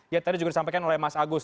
ya tadi juga disampaikan oleh mas agus